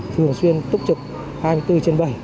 thường xuyên túc trực hai mươi bốn trên bảy